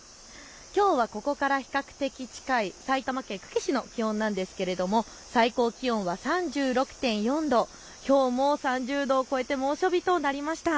きょうはここから比較的近い埼玉県久喜市の気温なんですが最高気温は３６．４度、きょうも３０度を超えて猛暑日となりました。